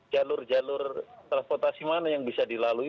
jalur jalur transportasi mana yang bisa dilalui